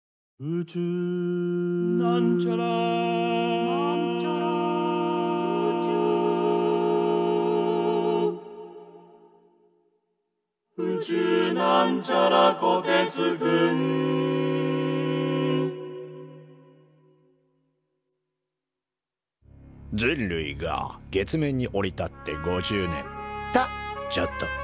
「宇宙」人類が月面に降り立って５０年。とちょっと。